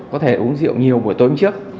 có thể uống rượu nhiều buổi tối trước